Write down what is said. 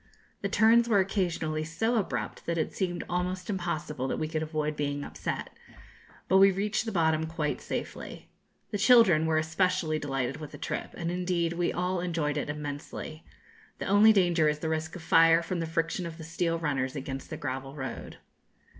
The turns were occasionally so abrupt, that it seemed almost impossible that we could avoid being upset; but we reached the bottom quite safely. The children were especially delighted with the trip, and indeed we all enjoyed it immensely. The only danger is the risk of fire from the friction of the steel runners against the gravel road.